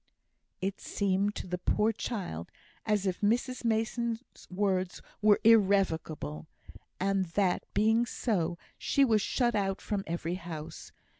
It seemed to the poor child as if Mrs Mason's words were irrevocable, and, that being so, she was shut out from every house.